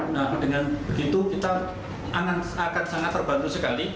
nah dengan begitu kita akan sangat terbantu sekali